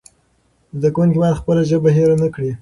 زده کوونکي باید خپله ژبه هېره نه کړي.